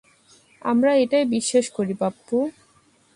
আমরা এটাই বিশ্বাস করি পাপ্পু।